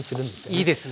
いいですね。